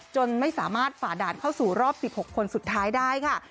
จนไม่สามารถฝ่าด่านเข้าสู่รอบ๑๖คนสุดท้ายได้ค่ะ